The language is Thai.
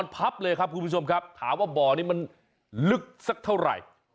พับเลยครับคุณผู้ชมครับถามว่าบ่อนี้มันลึกสักเท่าไหร่